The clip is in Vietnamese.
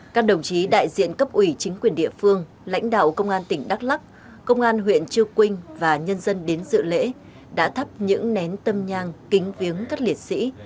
các đồng chí đại diện cấp ủy chính quyền địa phương lãnh đạo công an tỉnh đắk lắc công an huyện chư quynh và nhân dân đến dự lễ đã thắp những nén tâm nhang kính viếng các liệt sĩ